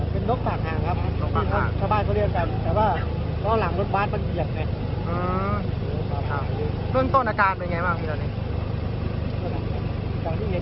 เป็นนกสากห่างบ้านเขาเรียกว่าแต่ข้างหลังมันเป็นเกียรติ